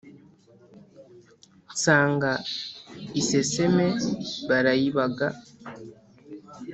Nsanga iseseme barayibaga,